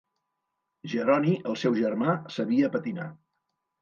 Jeroni, el seu germà, sabia patinar.